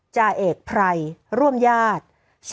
จ่าเอกไพรร่วมญาติ